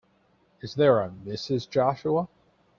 Is there a Mrs. Joshua?